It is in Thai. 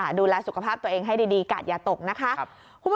ดูแลสุขภาพตัวเองให้ดีกาดอย่าตกนะคะ